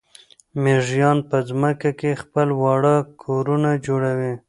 مېږیان په ځمکه کې خپل واړه کورونه جوړوي.